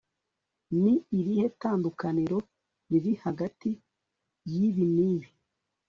Ni irihe tandukaniro riri hagati yibi nibi